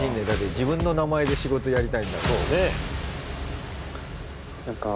だって自分の名前で仕事やりたいんだもん。